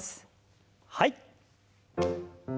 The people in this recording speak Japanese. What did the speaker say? はい。